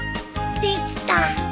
できた！